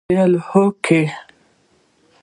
ما وويل هوکې.